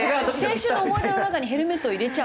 青春の思い出の中にヘルメットを入れちゃう？